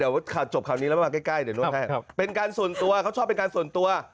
เดี๋ยวจบคำนี้แล้วมาใกล้เป็นการส่วนตัวเขาชอบเป็นการส่วนตัว